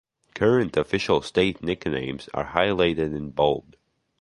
Current official state nicknames are highlighted in bold.